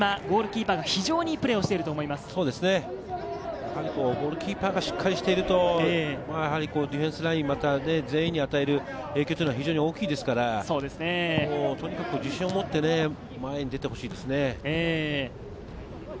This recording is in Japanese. ゴールキーパーがしっかりしていると、ディフェンスライン、また全員に与える影響というのは非常に大きいですから、自信をもって前に出てほしいですね。